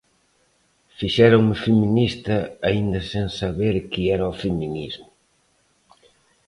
Fixéronme feminista aínda sen saber que era o feminismo.